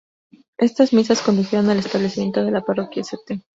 Estas misas condujeron al establecimiento de la parroquia St.